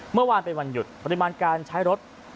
เมื่อวานเป็นวันหยุดปริมาณการใช้รถ